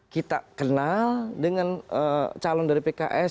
kita kenal dengan calon dari pks